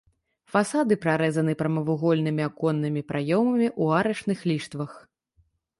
Фасады прарэзаны прамавугольнымі аконнымі праёмамі ў арачных ліштвах.